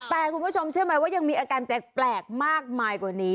แต่คุณผู้ชมเชื่อไหมว่ายังมีอาการแปลกมากมายกว่านี้